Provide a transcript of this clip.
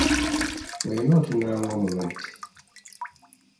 Wenna otunula ng'omulwadde.